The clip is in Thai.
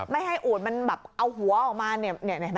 ไม่ให้อูดมันแบบเอาหัวออกมาเนี่ย